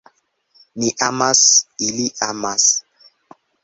Ni amas, ili amas!